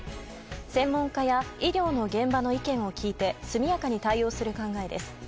専門家や医療の現場の意見を聞いて速やかに対応する考えです。